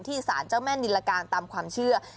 สารเจ้าแม่นิรการตามความเชื่อ